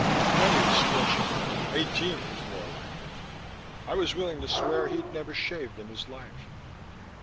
Twenty was stretching it; eighteen was more like it. I was willing to swear he'd never shaved in his life.